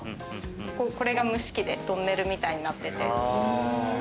これが蒸し器でトンネルみたいになってて。